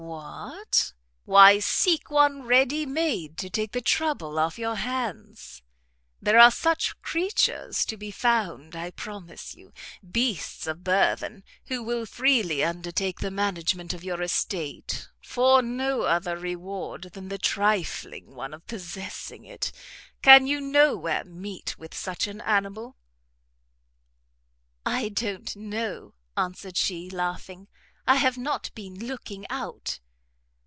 "What? Why seek one ready made to take the trouble off your hands. There are such creatures to be found, I promise you; beasts of burthen, who will freely undertake the management of your estate, for no other reward than the trifling one of possessing it. Can you no where meet with such an animal?" "I don't know," answered she, laughing, "I have not been looking out."